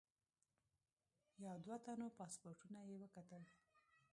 یو دوه تنو پاسپورټونه یې وکتل.